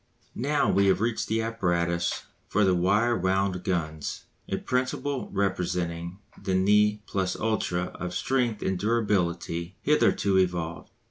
Now we have reached the apparatus for the wire wound guns, a principle representing the ne plus ultra of strength and durability hitherto evolved.